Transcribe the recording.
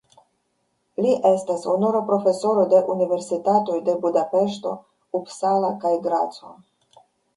Li estas honora profesoro de universitatoj de Budapeŝto, Uppsala kaj Graco.